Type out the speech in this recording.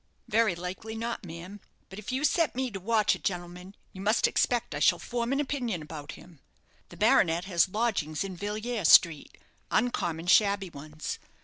"Very likely not, ma'am. But if you set me to watch a gentleman, you must expect I shall form an opinion about him. The baronet has lodgings in Villiers Street, uncommon shabby ones.